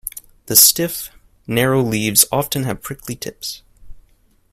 The stiff, narrow leaves often have prickly tips.